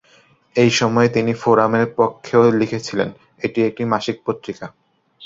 এই সময়ে তিনি "ফোরামের" পক্ষেও লিখেছিলেন, এটি একটি মাসিক পত্রিকা।